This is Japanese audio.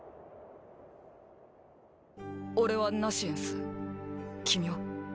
俺はナシエンス君は？